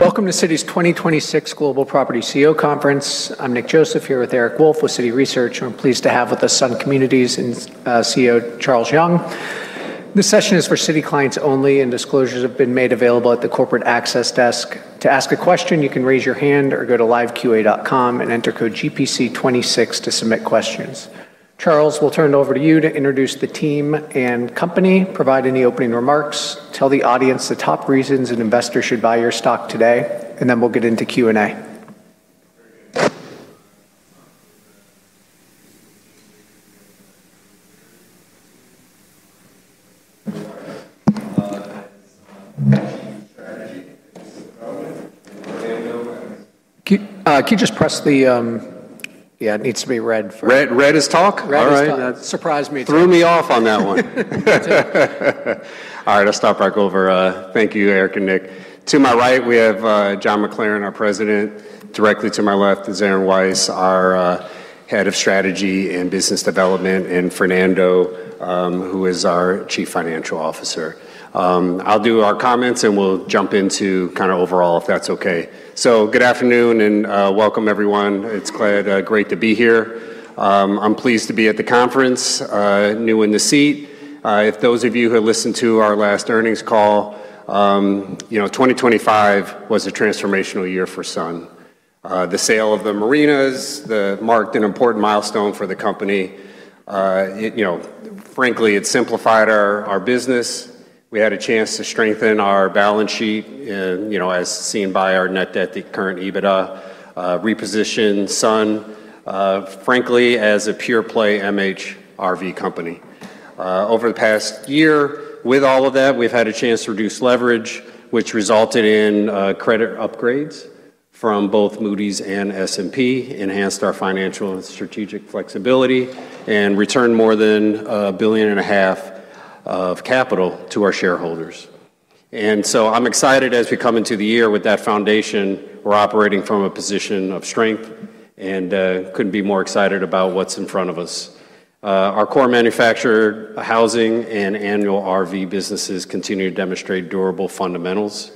Welcome to Citi's 2026 Global Property CEO Conference. I'm Nick Joseph here with Eric Wolfe with Citi Research. We're pleased to have with us Sun Communities and CEO Charles Young. This session is for Citi clients only. Disclosures have been made available at the corporate access desk. To ask a question, you can raise your hand or go to liveqa.com and enter code GPC26 to submit questions. Charles, we'll turn it over to you to introduce the team and company, provide any opening remarks, tell the audience the top reasons an investor should buy your stock today. Then we'll get into Q&A. Very good. Can you just press the... Yeah, it needs to be red for- Red, red is talk? Red is talk. All right. Surprised me too. Threw me off on that one. Me too. All right, I'll start back over. Thank you, Eric and Nick. To my right, we have John McLaren, our President. Directly to my left is Aaron Weiss, our Head of Strategy and Business Development, and Fernando, who is our Chief Financial Officer. I'll do our comments. We'll jump into kind of overall, if that's okay. Good afternoon and welcome, everyone. It's glad, great to be here. I'm pleased to be at the conference, new in the seat. If those of you who listened to our last earnings call, you know, 2025 was a transformational year for Sun. The sale of the marinas marked an important milestone for the company. It, you know, frankly, it simplified our business. We had a chance to strengthen our balance sheet and, you know, as seen by our net debt to current EBITDA, reposition Sun, frankly, as a pure play MH RV company. Over the past year, with all of that, we've had a chance to reduce leverage, which resulted in credit upgrades from both Moody's and S&P, enhanced our financial and strategic flexibility, and returned more than $1.5 billion of capital to our shareholders. I'm excited as we come into the year with that foundation. We're operating from a position of strength and couldn't be more excited about what's in front of us. Our core manufactured housing and annual RV businesses continue to demonstrate durable fundamentals.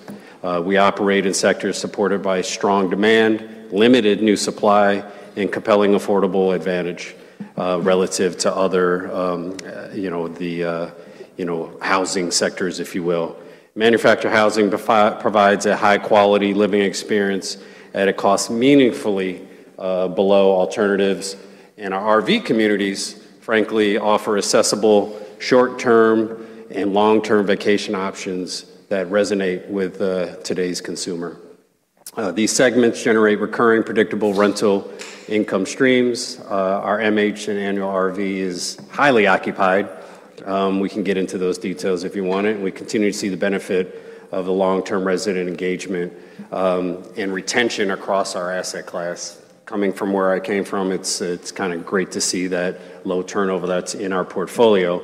We operate in sectors supported by strong demand, limited new supply, and compelling affordable advantage, relative to other, you know, the, you know, housing sectors, if you will. Manufactured housing provides a high-quality living experience at a cost meaningfully below alternatives. Our RV communities, frankly, offer accessible short-term and long-term vacation options that resonate with today's consumer. These segments generate recurring, predictable rental income streams. Our MH and annual RV is highly occupied. We can get into those details if you want it. We continue to see the benefit of the long-term resident engagement and retention across our asset class. Coming from where I came from, it's kind of great to see that low turnover that's in our portfolio.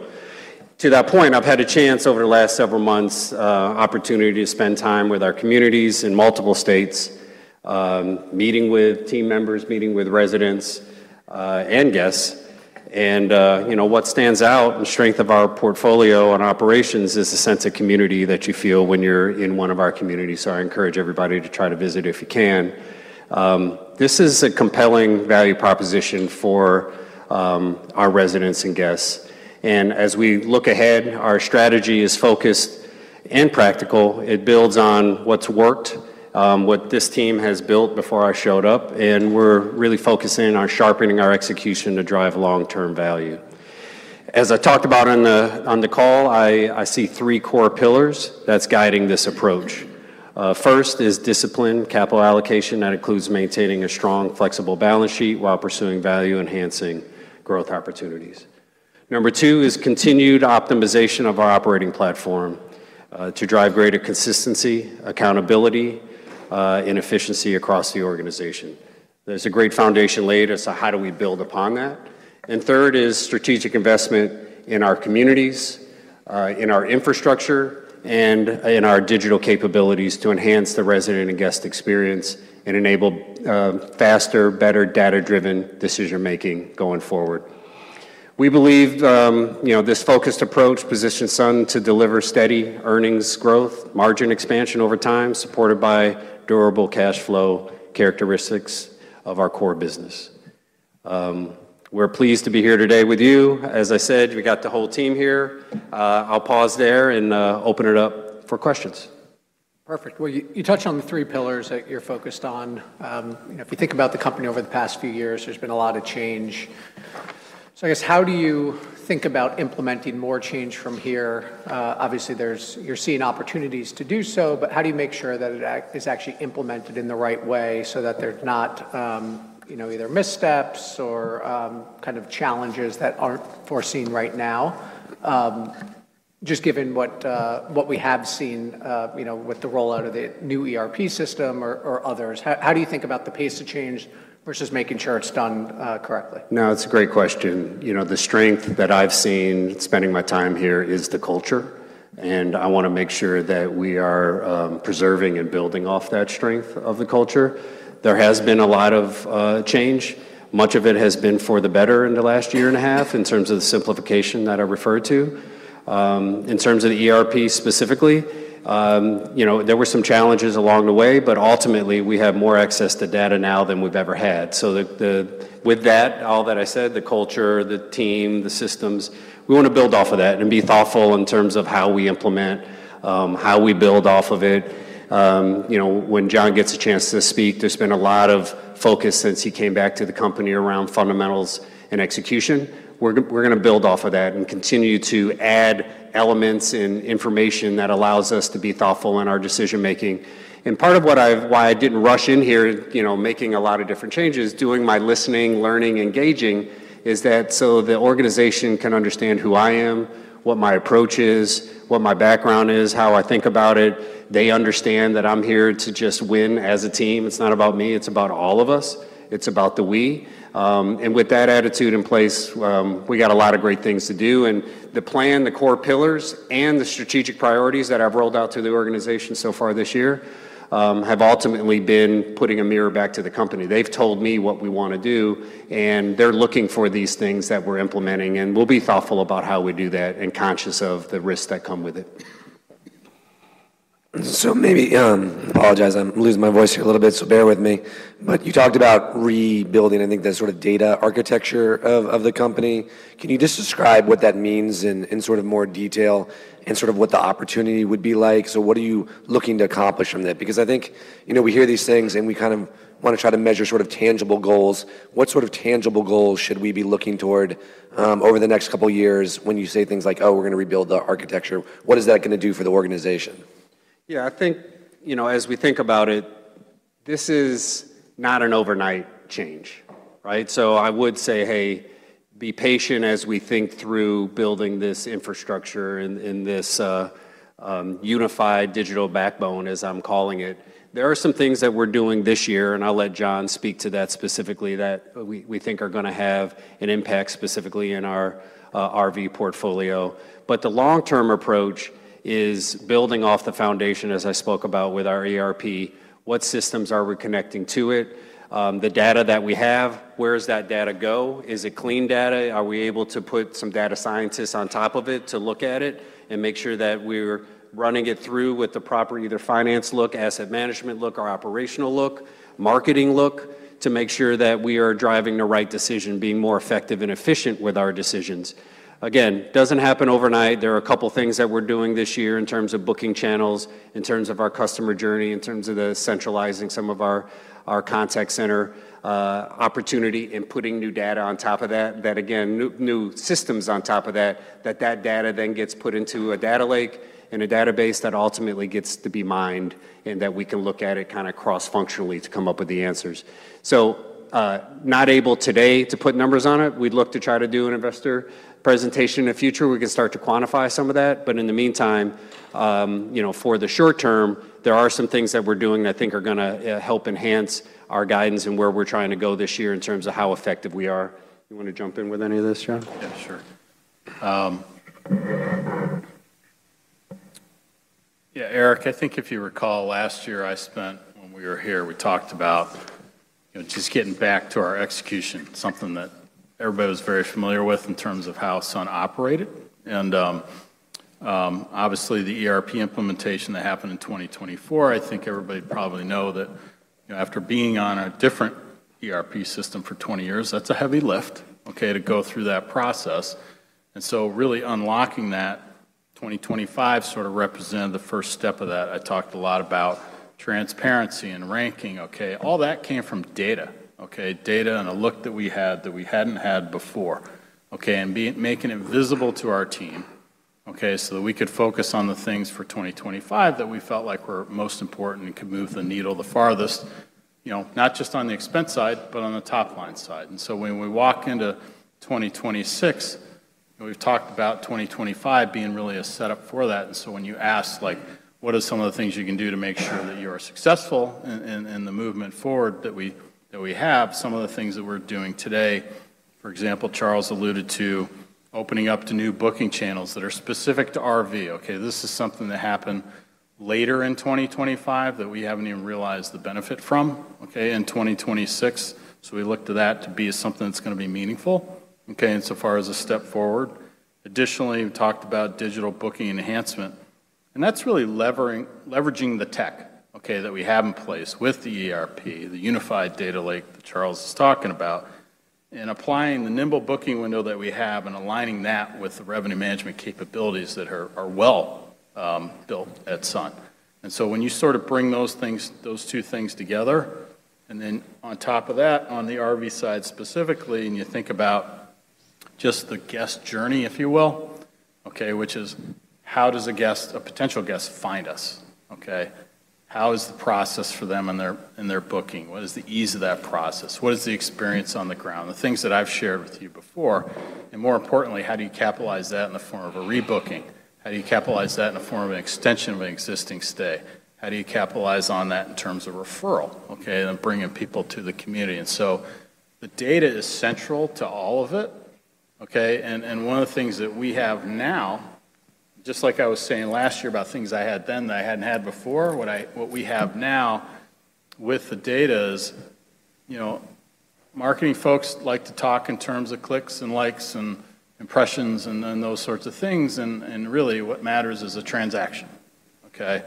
To that point, I've had a chance over the last several months, opportunity to spend time with our communities in multiple states, meeting with team members, meeting with residents, and guests. You know, what stands out, the strength of our portfolio and operations is the sense of community that you feel when you're in one of our communities, so I encourage everybody to try to visit if you can. This is a compelling value proposition for our residents and guests. As we look ahead, our strategy is focused and practical. It builds on what's worked, what this team has built before I showed up, and we're really focusing on sharpening our execution to drive long-term value. As I talked about on the call, I see three core pillars that's guiding this approach. First is disciplined capital allocation. That includes maintaining a strong, flexible balance sheet while pursuing value-enhancing growth opportunities. Number two is continued optimization of our operating platform to drive greater consistency, accountability, and efficiency across the organization. There's a great foundation laid. How do we build upon that? Third is strategic investment in our communities, in our infrastructure, and in our digital capabilities to enhance the resident and guest experience and enable faster, better data-driven decision-making going forward. We believe, you know, this focused approach positions Sun to deliver steady earnings growth, margin expansion over time, supported by durable cash flow characteristics of our core business. We're pleased to be here today with you. As I said, we got the whole team here. I'll pause there and open it up for questions. Perfect. Well, you touched on the three pillars that you're focused on. You know, if you think about the company over the past few years, there's been a lot of change. I guess, how do you think about implementing more change from here? Obviously you're seeing opportunities to do so, but how do you make sure that it is actually implemented in the right way so that there's not, you know, either missteps or kind of challenges that aren't foreseen right now. Just given what we have seen, you know, with the rollout of the new ERP system or others, how do you think about the pace of change versus making sure it's done, correctly? It's a great question. You know, the strength that I've seen spending my time here is the culture, and I wanna make sure that we are preserving and building off that strength of the culture. There has been a lot of change. Much of it has been for the better in the last year and a half in terms of the simplification that I referred to. In terms of the ERP specifically, you know, there were some challenges along the way, but ultimately we have more access to data now than we've ever had. With that, all that I said, the culture, the team, the systems, we wanna build off of that and be thoughtful in terms of how we implement, how we build off of it. you know, when John gets a chance to speak, there's been a lot of focus since he came back to the company around fundamentals and execution. We're gonna build off of that and continue to add elements and information that allows us to be thoughtful in our decision-making. part of why I didn't rush in here, you know, making a lot of different changes, doing my listening, learning, engaging, is that so the organization can understand who I am, what my approach is, what my background is, how I think about it. They understand that I'm here to just win as a team. It's not about me, it's about all of us. It's about the we. with that attitude in place, we got a lot of great things to do. The plan, the core pillars, and the strategic priorities that I've rolled out to the organization so far this year have ultimately been putting a mirror back to the company. They've told me what we wanna do, they're looking for these things that we're implementing, and we'll be thoughtful about how we do that and conscious of the risks that come with it. Maybe, apologize, I'm losing my voice here a little bit, so bear with me. You talked about rebuilding, I think, the sort of data architecture of the company. Can you just describe what that means in sort of more detail and sort of what the opportunity would be like? What are you looking to accomplish from that? Because I think, you know, we hear these things, and we kind of wanna try to measure sort of tangible goals. What sort of tangible goals should we be looking toward over the next couple years when you say things like, "Oh, we're gonna rebuild the architecture"? What is that gonna do for the organization? Yeah, I think, you know, as we think about it, this is not an overnight change, right? I would say, hey, be patient as we think through building this infrastructure and this unified digital backbone, as I'm calling it. There are some things that we're doing this year, and I'll let John speak to that specifically, that we think are gonna have an impact specifically in our RV portfolio. The long-term approach is building off the foundation as I spoke about with our ERP. What systems are we connecting to it? The data that we have, where does that data go? Is it clean data? Are we able to put some data scientists on top of it to look at it and make sure that we're running it through with the proper either finance look, asset management look, or operational look, marketing look to make sure that we are driving the right decision, being more effective and efficient with our decisions. Again, doesn't happen overnight. There are a couple things that we're doing this year in terms of booking channels, in terms of our customer journey, in terms of the centralizing some of our contact center opportunity and putting new data on top of that new systems on top of that data then gets put into a data lake and a database that ultimately gets to be mined and that we can look at it kind of cross-functionally to come up with the answers. Not able today to put numbers on it. We'd look to try to do an investor presentation in the future. We can start to quantify some of that. In the meantime, you know, for the short term, there are some things that we're doing that I think are gonna help enhance our guidance and where we're trying to go this year in terms of how effective we are. You wanna jump in with any of this, John? Yeah, sure. Yeah, Eric, I think if you recall last year when we were here, we talked about, you know, just getting back to our execution, something that everybody was very familiar with in terms of how Sun operated. Obviously, the ERP implementation that happened in 2024, I think everybody probably know that, you know, after being on a different ERP system for 20 years, that's a heavy lift, okay, to go through that process. Really unlocking that, 2025 sort of represented the first step of that. I talked a lot about transparency and ranking, okay. All that came from data, okay. Data and a look that we had that we hadn't had before, okay, and making it visible to our team, okay, so that we could focus on the things for 2025 that we felt like were most important and could move the needle the farthest, you know, not just on the expense side, but on the top-line side. When we walk into 2026, and we've talked about 2025 being really a setup for that. When you ask, like, what are some of the things you can do to make sure that you are successful in the movement forward that we have, some of the things that we're doing today, for example, Charles alluded to opening up to new booking channels that are specific to RV, okay? This is something that happened later in 2025 that we haven't even realized the benefit from in 2026. We look to that to be something that's gonna be meaningful insofar as a step forward. Additionally, we talked about digital booking enhancement, and that's really leveraging the tech that we have in place with the ERP, the unified data lake that Charles is talking about, and applying the nimble booking window that we have and aligning that with the revenue management capabilities that are well built at Sun. When you sort of bring those things, those two things together, and then on top of that, on the RV side specifically, and you think about just the guest journey, if you will, okay, which is how does a guest, a potential guest find us, okay. How is the process for them in their booking? What is the ease of that process? What is the experience on the ground? The things that I've shared with you before, and more importantly, how do you capitalize that in the form of a rebooking? How do you capitalize that in the form of an extension of an existing stay? How do you capitalize on that in terms of referral, okay, and bringing people to the community? The data is central to all of it, okay. One of the things that we have now, just like I was saying last year about things I had then that I hadn't had before, what we have now with the data is, you know, marketing folks like to talk in terms of clicks, and likes, and impressions, and then those sorts of things, really what matters is the transaction, okay?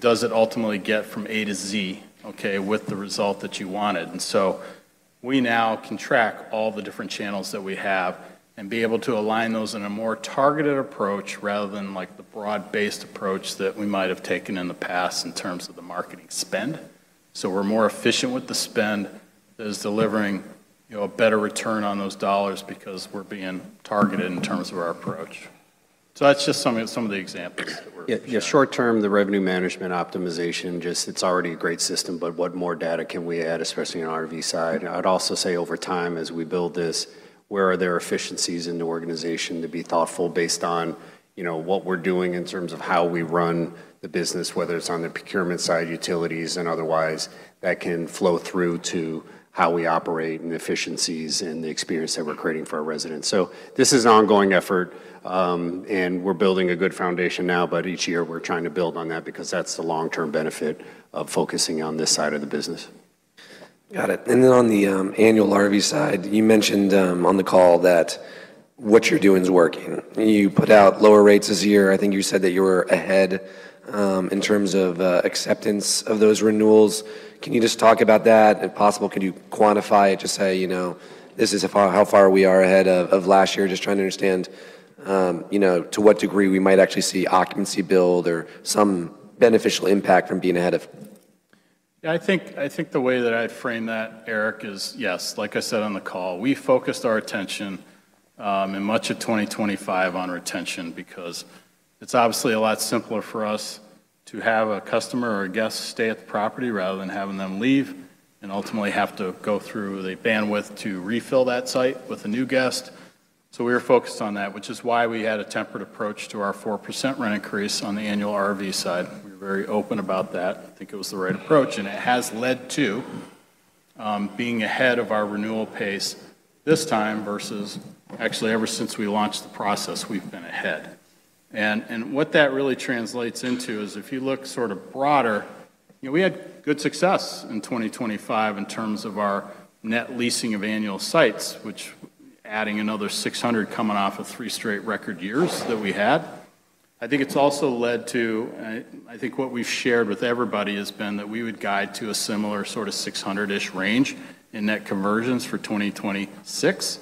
Does it ultimately get from A to Z, okay, with the result that you wanted? We now can track all the different channels that we have and be able to align those in a more targeted approach rather than like the broad-based approach that we might have taken in the past in terms of the marketing spend. We're more efficient with the spend that is delivering, you know, a better return on those dollars because we're being targeted in terms of our approach. That's just some of the examples. Yeah, short term, the revenue management optimization, just it's already a great system, but what more data can we add, especially on RV side? I'd also say over time as we build this, where are there efficiencies in the organization to be thoughtful based on, you know, what we're doing in terms of how we run the business, whether it's on the procurement side, utilities, and otherwise that can flow through to how we operate, and the efficiencies, and the experience that we're creating for our residents. This is an ongoing effort, and we're building a good foundation now, but each year we're trying to build on that because that's the long-term benefit of focusing on this side of the business. Got it. Then on the annual RV side, you mentioned on the call that what you're doing is working, and you put out lower rates this year. I think you said that you were ahead in terms of acceptance of those renewals. Can you just talk about that? If possible, could you quantify it to say, you know, this is how far we are ahead of last year? Just trying to understand, you know, to what degree we might actually see occupancy build or some beneficial impact from being ahead of. I think the way that I'd frame that, Eric, is yes, like I said on the call, we focused our attention in much of 2025 on retention because it's obviously a lot simpler for us to have a customer or a guest stay at the property rather than having them leave and ultimately have to go through the bandwidth to refill that site with a new guest. We were focused on that, which is why we had a tempered approach to our 4% rent increase on the annual RV side. We're very open about that. I think it was the right approach, and it has led to being ahead of our renewal pace this time versus actually ever since we launched the process, we've been ahead. What that really translates into is if you look sort of broader, you know, we had good success in 2025 in terms of our net leasing of annual sites, which adding another 600 coming off of three straight record years that we had. I think it's also led to, I think what we've shared with everybody has been that we would guide to a similar sort of 600-ish range in net conversions for 2026.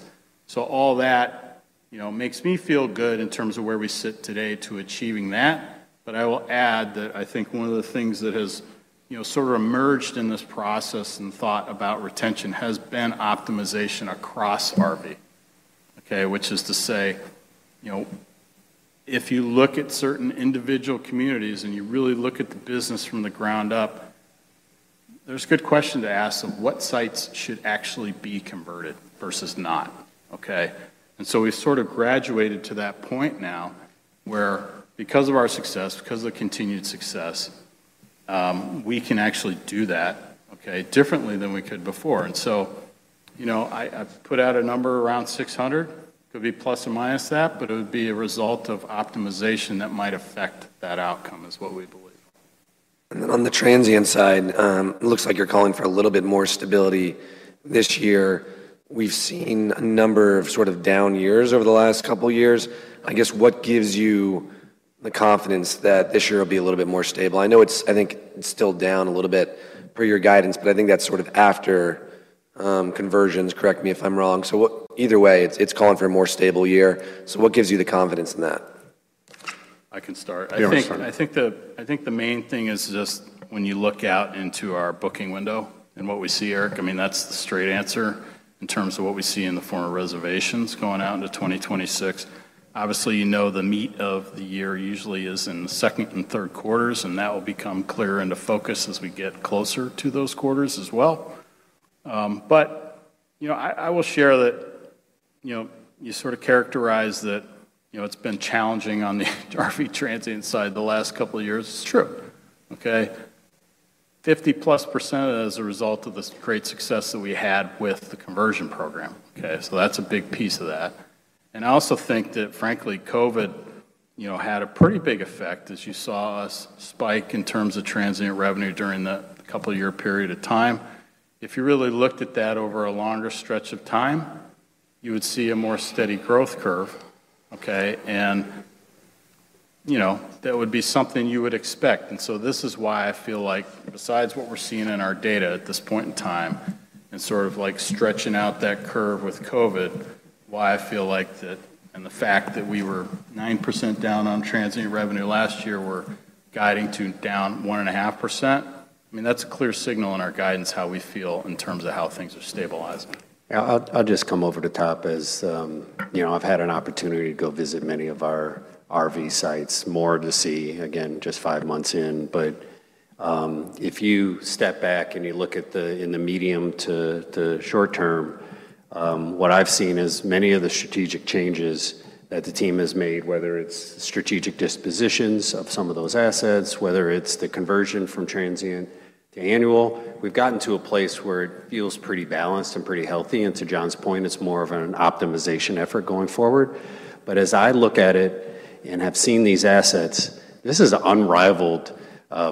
All that, you know, makes me feel good in terms of where we sit today to achieving that. I will add that I think one of the things that has, you know, sort of emerged in this process and thought about retention has been optimization across RV, okay. Which is to say, you know, if you look at certain individual communities and you really look at the business from the ground up, there's a good question to ask them, what sites should actually be converted versus not. Okay. We've sort of graduated to that point now where because of our success, because of the continued success, we can actually do that, okay, differently than we could before. You know, I've put out a number around 600. Could be plus or minus that, but it would be a result of optimization that might affect that outcome is what we believe. On the transient side, it looks like you're calling for a little bit more stability this year. We've seen a number of sort of down years over the last couple of years. I guess what gives you the confidence that this year will be a little bit more stable? I think it's still down a little bit per your guidance, but I think that's sort of after conversions. Correct me if I'm wrong. Either way, it's calling for a more stable year. What gives you the confidence in that? I can start. You want to start. I think the main thing is just when you look out into our booking window and what we see, Eric, I mean, that's the straight answer in terms of what we see in the form of reservations going out into 2026. Obviously, you know, the meat of the year usually is in the second and third quarters, and that will become clearer into focus as we get closer to those quarters as well. You know, I will share that, you know, you sort of characterize that, you know, it's been challenging on the RV transient side the last couple of years. It's true, okay. 50%+ of that is a result of the great success that we had with the conversion program, okay. That's a big piece of that. I also think that frankly, COVID, you know, had a pretty big effect as you saw us spike in terms of transient revenue during that two year period of time. If you really looked at that over a longer stretch of time, you would see a more steady growth curve, okay. You know, that would be something you would expect. This is why I feel like besides what we're seeing in our data at this point in time and sort of like stretching out that curve with COVID, why I feel like that and the fact that we were 9% down on transient revenue last year, we're guiding to down 1.5% I mean, that's a clear signal in our guidance how we feel in terms of how things are stabilizing. Yeah, I'll just come over the top as, you know, I've had an opportunity to go visit many of our RV sites, more to see, again, just five months in. If you step back and you look at the in the medium to short term, what I've seen is many of the strategic changes that the team has made, whether it's strategic dispositions of some of those assets, whether it's the conversion from transient to annual, we've gotten to a place where it feels pretty balanced and pretty healthy. To John's point, it's more of an optimization effort going forward. As I look at it and have seen these assets, this is an unrivaled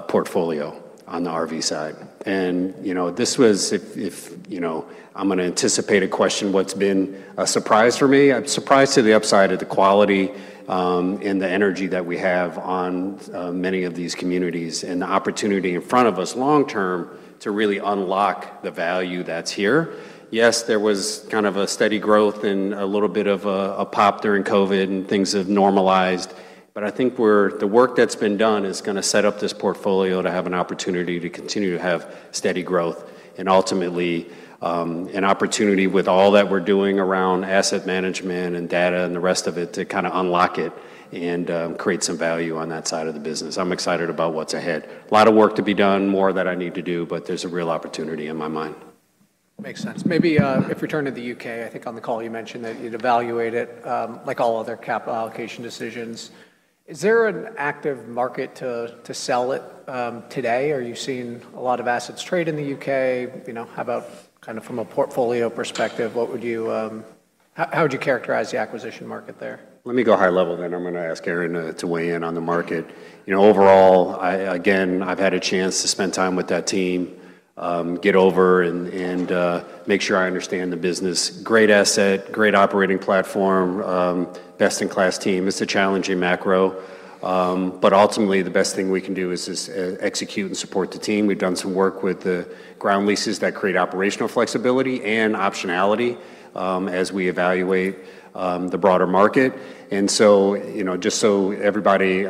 portfolio on the RV side. You know, this was if, you know, I'm gonna anticipate a question. What's been a surprise for me? I'm surprised to the upside of the quality, and the energy that we have on many of these communities and the opportunity in front of us long term to really unlock the value that's here. Yes, there was kind of a steady growth and a little bit of a pop during COVID, and things have normalized, but I think the work that's been done is gonna set up this portfolio to have an opportunity to continue to have steady growth and ultimately, an opportunity with all that we're doing around asset management and data and the rest of it to kinda unlock it and create some value on that side of the business. I'm excited about what's ahead. A lot of work to be done, more that I need to do, but there's a real opportunity in my mind. Makes sense. Maybe, if we turn to the U.K., I think on the call you mentioned that you'd evaluate it, like all other capital allocation decisions. Is there an active market to sell it today? Are you seeing a lot of assets trade in the U.K.? You know, how about kind of from a portfolio perspective, what would you how would you characterize the acquisition market there? Let me go high level, then I'm gonna ask Aaron to weigh in on the market. You know, overall, I again, I've had a chance to spend time with that team, get over and make sure I understand the business. Great asset, great operating platform, best in class team. It's a challenging macro, but ultimately the best thing we can do is just execute and support the team. We've done some work with the ground leases that create operational flexibility and optionality, as we evaluate the broader market. You know, just so everybody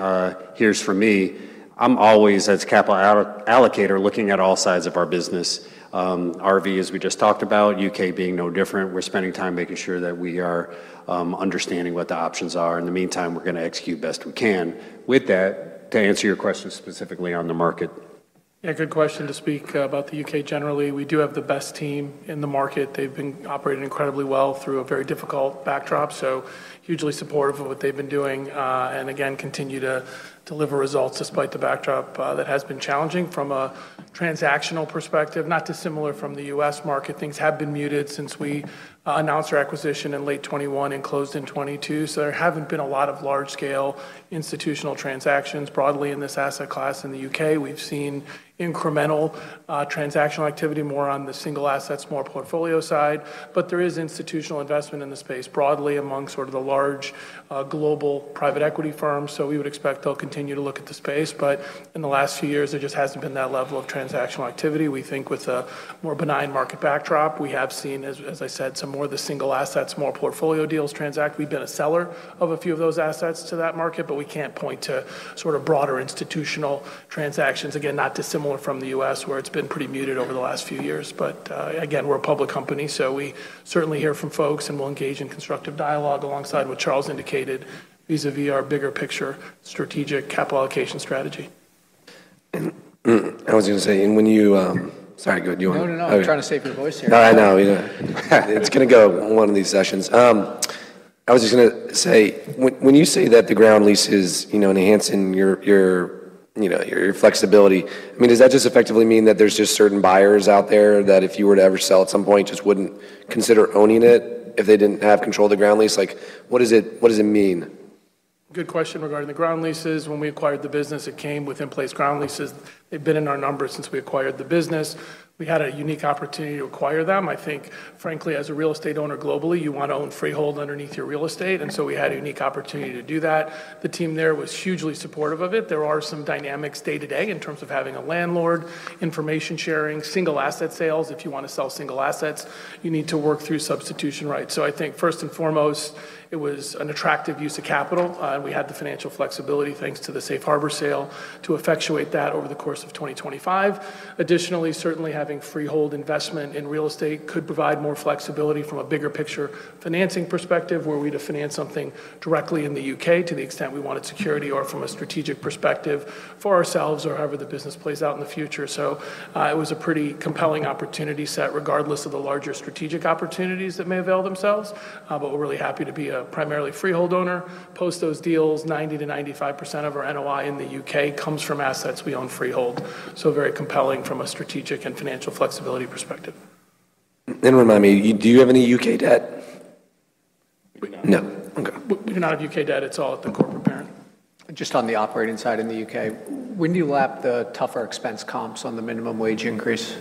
hears from me, I'm always as capital allocator looking at all sides of our business. RV, as we just talked about, U.K. being no different. We're spending time making sure that we are understanding what the options are. In the meantime, we're going to execute best we can. With that, to answer your question specifically on the market. Yeah, good question. To speak about the U.K. generally, we do have the best team in the market. They've been operating incredibly well through a very difficult backdrop, so hugely supportive of what they've been doing, and again, continue to deliver results despite the backdrop that has been challenging. From a transactional perspective, not dissimilar from the U.S. market, things have been muted since we announced our acquisition in late 2021 and closed in 2022. There haven't been a lot of large scale institutional transactions broadly in this asset class in the U.K.. We've seen incremental transactional activity more on the single assets, more portfolio side. There is institutional investment in the space broadly among sort of the large global private equity firms, so we would expect they'll continue to look at the space. In the last few years, there just hasn't been that level of transactional activity. We think with a more benign market backdrop, we have seen, as I said, some more of the single assets, more portfolio deals transact. We've been a seller of a few of those assets to that market, we can't point to sort of broader institutional transactions. Again, not dissimilar from the U.S., where it's been pretty muted over the last few years. Again, we're a public company, so we certainly hear from folks, and we'll engage in constructive dialogue alongside what Charles indicated vis-à-vis our bigger picture strategic capital allocation strategy. I was gonna say, and when you... Sorry, go ahead. No, no. I'm trying to save your voice here. I know. You know. It's gonna go one of these sessions. I was just gonna say, when you say that the ground leases, you know, enhancing your, you know, your flexibility, I mean, does that just effectively mean that there's just certain buyers out there that if you were to ever sell at some point just wouldn't consider owning it if they didn't have control of the ground lease? Like, what does it mean? Good question regarding the ground leases. When we acquired the business, it came with in-place ground leases. They've been in our numbers since we acquired the business. We had a unique opportunity to acquire them. I think, frankly, as a real estate owner globally, you wanna own freehold underneath your real estate. We had a unique opportunity to do that. The team there was hugely supportive of it. There are some dynamics day-to-day in terms of having a landlord, information sharing, single asset sales. If you wanna sell single assets, you need to work through substitution rights. I think first and foremost, it was an attractive use of capital. We had the financial flexibility thanks to the Safe Harbor sale to effectuate that over the course of 2025. Additionally, certainly having freehold investment in real estate could provide more flexibility from a bigger picture financing perspective, were we to finance something directly in the U.K. to the extent we wanted security or from a strategic perspective for ourselves or however the business plays out in the future. It was a pretty compelling opportunity set regardless of the larger strategic opportunities that may avail themselves. We're really happy to be a primarily freehold owner. Post those deals, 90%-95% of our NOI in the U.K. comes from assets we own freehold, very compelling from a strategic and financial flexibility perspective. Remind me, do you have any U.K. debt? We do not. No. Okay. We do not have U.K. debt. It's all at the corporate parent. Just on the operating side in the U.K., when do you lap the tougher expense comps on the minimum wage increase?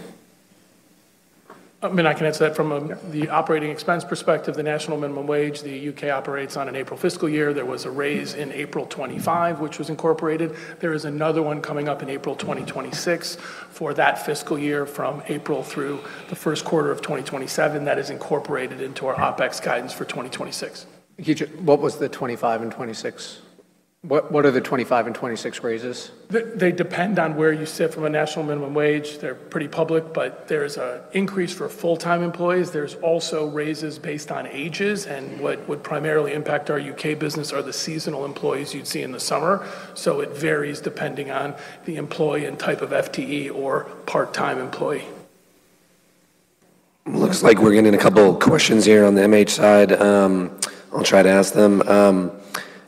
I mean, I can answer that. From the operating expense perspective, the national minimum wage, the U.K. operates on an April fiscal year. There was a raise in April 2025, which was incorporated. There is another one coming up in April 2026 for that fiscal year from April through the first quarter of 2027 that is incorporated into our OpEx guidance for 2026. Can you What was the 25 and 26? What are the 2025 and 2026 raises? They depend on where you sit from a National Minimum Wage. They're pretty public, but there's a increase for full-time employees. There's also raises based on ages, and what would primarily impact our U.K. business are the seasonal employees you'd see in the summer. It varies depending on the employee and type of FTE or part-time employee. Looks like we're getting a couple questions here on the MH side. I'll try to ask them.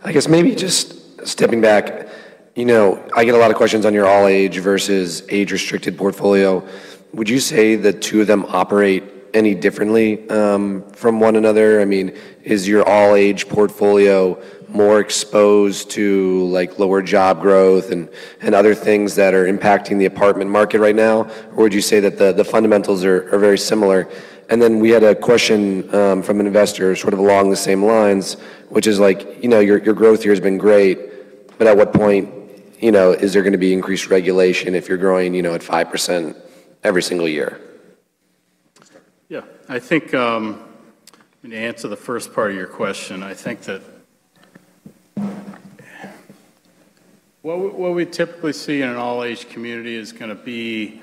I guess maybe just stepping back, you know, I get a lot of questions on your all-age versus age-restricted portfolio. Would you say the two of them operate any differently, from one another? I mean, is your all-age portfolio more exposed to, like, lower job growth and other things that are impacting the apartment market right now? Or would you say that the fundamentals are very similar? We had a question, from an investor sort of along the same lines, which is like, you know, your growth here has been great, but at what point, you know, is there gonna be increased regulation if you're growing, you know, at 5% every single year? Yeah. I think, let me answer the first part of your question. I think that what we typically see in an all-age community is gonna be.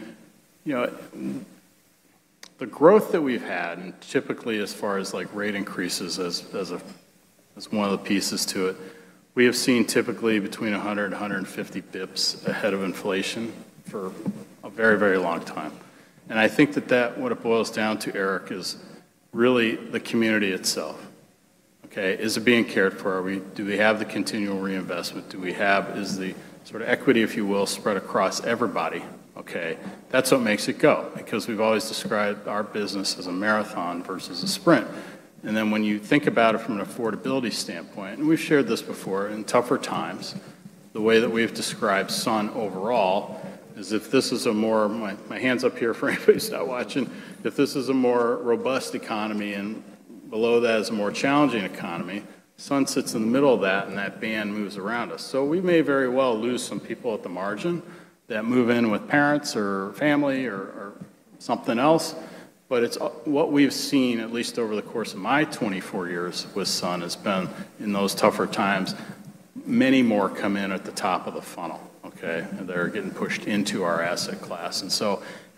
You know, the growth that we've had, and typically as far as, like, rate increases as one of the pieces to it, we have seen typically between 100 and 150 basis points ahead of inflation for a very, very long time. I think that, what it boils down to, Eric, is really the community itself, okay? Is it being cared for? Do we have the continual reinvestment? Do we have? Is the sort of equity, if you will, spread across everybody, okay? That's what makes it go because we've always described our business as a marathon versus a sprint. When you think about it from an affordability standpoint, and we've shared this before, in tougher times, the way that we've described Sun overall is if this is a more. My hand's up here for anybody who's not watching. If this is a more robust economy and below that is a more challenging economy, Sun sits in the middle of that, and that band moves around us. We may very well lose some people at the margin that move in with parents or family or something else. What we've seen, at least over the course of my 24 years with Sun, has been in those tougher times, many more come in at the top of the funnel, okay. They're getting pushed into our asset class.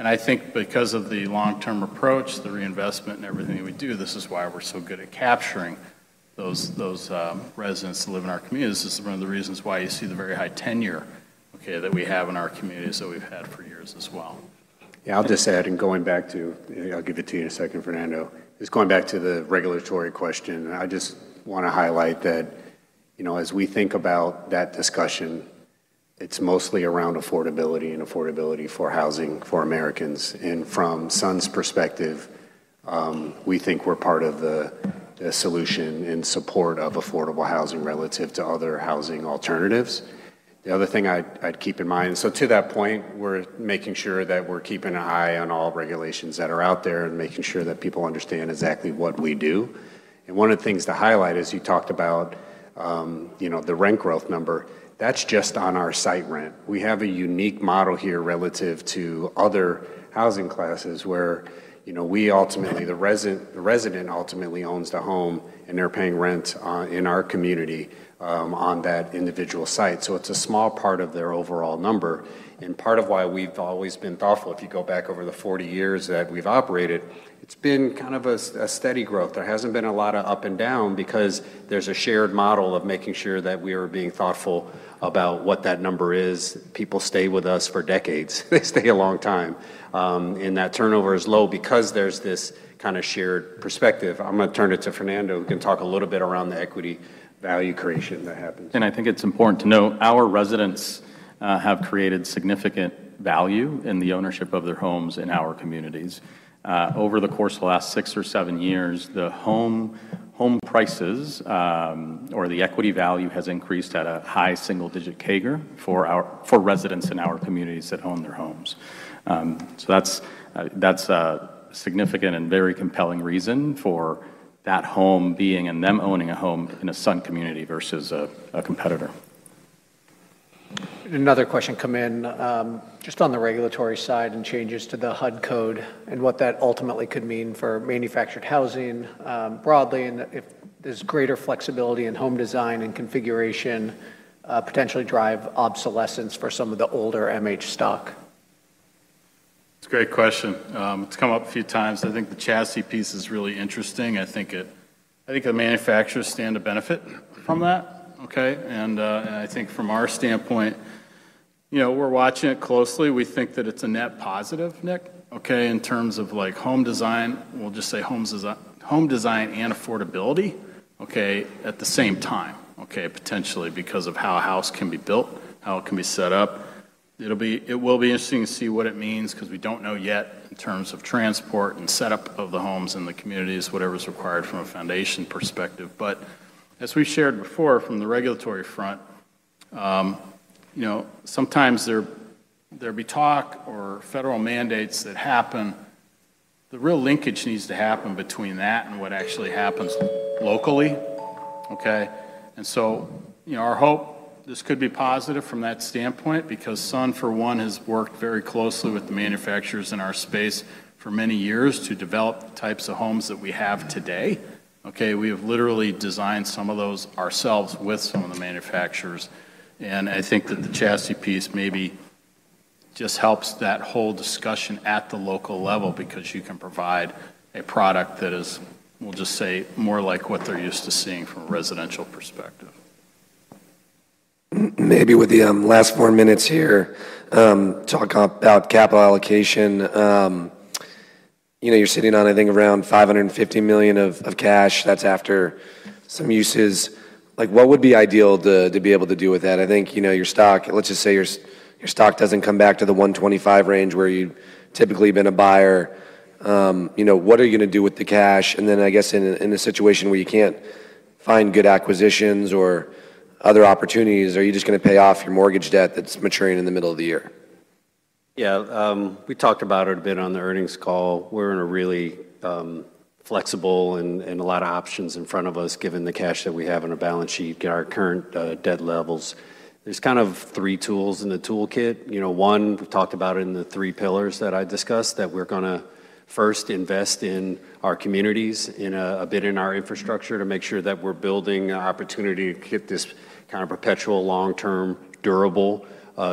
I think because of the long-term approach, the reinvestment and everything we do, this is why we're so good at capturing those residents that live in our communities. This is one of the reasons why you see the very high tenure, okay, that we have in our communities that we've had for years as well. Yeah. I'll just add in going back to... I'll give it to you in a second, Fernando. Just going back to the regulatory question, I just wanna highlight that, you know, as we think about that discussion, it's mostly around affordability and affordability for housing for Americans. From Sun's perspective, we think we're part of the solution in support of affordable housing relative to other housing alternatives. The other thing I'd keep in mind. To that point, we're making sure that we're keeping an eye on all regulations that are out there and making sure that people understand exactly what we do. One of the things to highlight is you talked about, you know, the rent growth number. That's just on our site rent. We have a unique model here relative to other housing classes where, you know, we ultimately... The resident ultimately owns the home, and they're paying rent in our community on that individual site. It's a small part of their overall number and part of why we've always been thoughtful. If you go back over the 40 years that we've operated, it's been kind of a steady growth. There hasn't been a lot of up and down because there's a shared model of making sure that we are being thoughtful about what that number is. People stay with us for decades. They stay a long time. That turnover is low because there's this kind of shared perspective. I'm gonna turn it to Fernando, who can talk a little bit around the equity value creation that happens. I think it's important to note our residents have created significant value in the ownership of their homes in our communities. Over the course of the last six or seven years, the home prices or the equity value has increased at a high single-digit CAGR for residents in our communities that own their homes. That's a significant and very compelling reason for that home being and them owning a home in a Sun Community versus a competitor. Another question come in, just on the regulatory side and changes to the HUD Code and what that ultimately could mean for manufactured housing, broadly, and if there's greater flexibility in home design and configuration, potentially drive obsolescence for some of the older MH stock. It's a great question. It's come up a few times. I think the chassis piece is really interesting. I think the manufacturers stand to benefit from that, okay? I think from our standpoint, you know, we're watching it closely. We think that it's a net positive, Nick, okay, in terms of, like, home design. We'll just say home design and affordability, okay, at the same time, okay, potentially because of how a house can be built, how it can be set up. It will be interesting to see what it means 'cause we don't know yet in terms of transport and setup of the homes in the communities, whatever's required from a foundation perspective. As we shared before from the regulatory front, you know, sometimes there'll be talk or federal mandates that happen. The real linkage needs to happen between that and what actually happens locally, okay? You know, our hope, this could be positive from that standpoint because Sun, for one, has worked very closely with the manufacturers in our space for many years to develop the types of homes that we have today, okay? We have literally designed some of those ourselves with some of the manufacturers. I think that the chassis piece maybe. Just helps that whole discussion at the local level because you can provide a product that is, we'll just say, more like what they're used to seeing from a residential perspective. Maybe with the last four minutes here, talk about capital allocation. You know, you're sitting on, I think, around $550 million of cash. That's after some uses. Like, what would be ideal to be able to do with that? I think, you know, Let's just say your stock doesn't come back to the 125 range where you've typically been a buyer. You know, what are you gonna do with the cash? I guess in a, in a situation where you can't find good acquisitions or other opportunities, are you just gonna pay off your mortgage debt that's maturing in the middle of the year? Yeah. We talked about it a bit on the earnings call. We're in a really flexible and a lot of options in front of us given the cash that we have on our balance sheet, given our current debt levels. There's kind of three tools in the toolkit. You know, one, we've talked about it in the three pillars that I discussed, that we're gonna first invest in our communities, in a bit in our infrastructure to make sure that we're building an opportunity to get this kind of perpetual, long-term, durable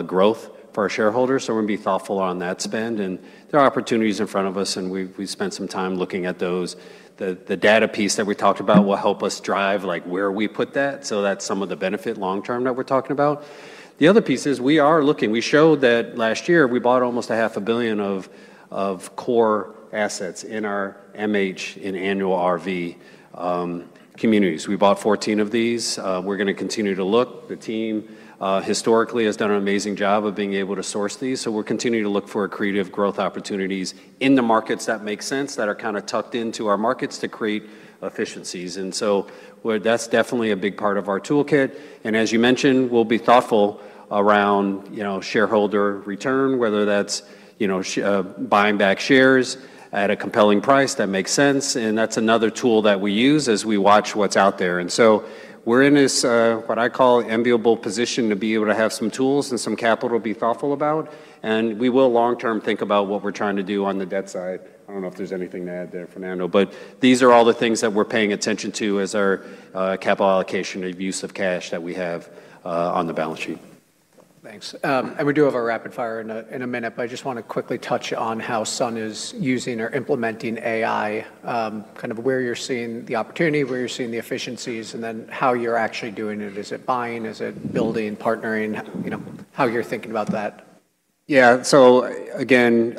growth for our shareholders. We're gonna be thoughtful on that spend, and there are opportunities in front of us, and we've spent some time looking at those. The data piece that we talked about will help us drive, like, where we put that. That's some of the benefit long term that we're talking about. The other piece is we are looking. We showed that last year we bought almost a half a billion of core assets in our MH in annual RV communities. We bought 14 of these. We're gonna continue to look. The team historically has done an amazing job of being able to source these. We're continuing to look for creative growth opportunities in the markets that make sense, that are kind of tucked into our markets to create efficiencies. That's definitely a big part of our toolkit. As you mentioned, we'll be thoughtful around, you know, shareholder return, whether that's, you know, buying back shares at a compelling price that makes sense, and that's another tool that we use as we watch what's out there. We're in this, what I call enviable position to be able to have some tools and some capital to be thoughtful about, and we will long term think about what we're trying to do on the debt side. I don't know if there's anything to add there, Fernando. These are all the things that we're paying attention to as our capital allocation or use of cash that we have on the balance sheet. Thanks. We do have a rapid fire in a minute. I just wanna quickly touch on how Sun is using or implementing AI, kind of where you're seeing the opportunity, where you're seeing the efficiencies, then how you're actually doing it. Is it buying? Is it building, partnering? You know, how you're thinking about that. Yeah. Again,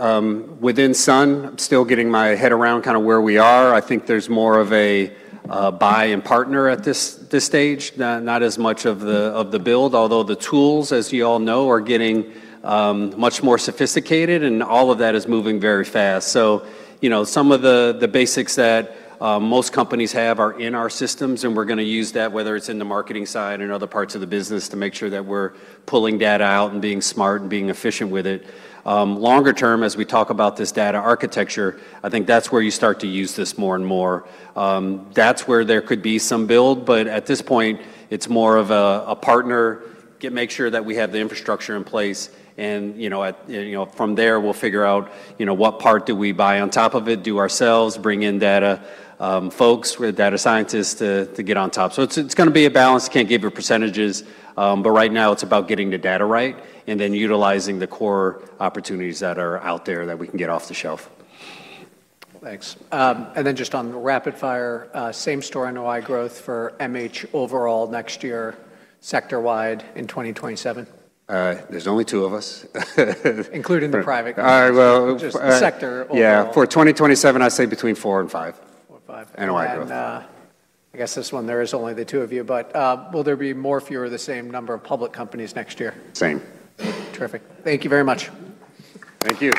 within Sun, I'm still getting my head around kind of where we are. I think there's more of a buy and partner at this stage. Not as much of the build, although the tools, as you all know, are getting much more sophisticated, and all of that is moving very fast. You know, some of the basics that most companies have are in our systems, and we're going to use that, whether it's in the marketing side and other parts of the business, to make sure that we're pulling data out and being smart and being efficient with it. Longer term, as we talk about this data architecture, I think that's where you start to use this more and more. That's where there could be some build. At this point, it's more of a partner. Make sure that we have the infrastructure in place and, you know, From there, we'll figure out, you know, what part do we buy on top of it, do ourselves, bring in data, folks or data scientists to get on top. It's gonna be a balance. Can't give you percentages. Right now it's about getting the data right and then utilizing the core opportunities that are out there that we can get off the shelf. Thanks. just on rapid fire, same store NOI growth for MH overall next year sector-wide in 2027. There's only two of us. Including the private companies. All right. Just sector overall. Yeah. For 2027, I'd say between four and five. Four and five. NOI growth. I guess this one, there is only the two of you, but will there be more, fewer, or the same number of public companies next year? Same. Terrific. Thank you very much. Thank you.